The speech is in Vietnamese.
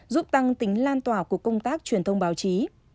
giúp tăng tính lan tỏa của công tác truyền thông báo chí